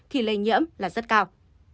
thì lây nhiễm là rất cao